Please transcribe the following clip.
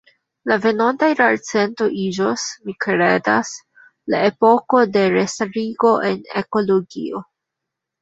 La venonta jarcento iĝos, mi kredas, la epoko de restarigo en ekologio".